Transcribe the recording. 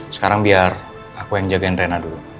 sekarang biar aku yang jagain rena dulu